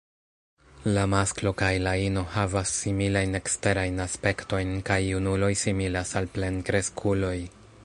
La masklo kaj la ino havas similajn eksterajn aspektojn, kaj junuloj similas al plenkreskuloj.